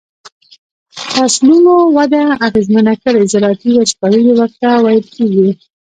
فصلونو وده اغیزمنه کړي زراعتی وچکالی ورته ویل کیږي.